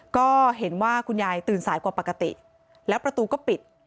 ก็เห็นว่าคุณยายตื่นสายกว่าปกติแล้วประตูก็ปิด